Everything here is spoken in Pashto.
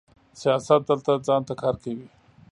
سیاست دلته ځان ته کار کوي.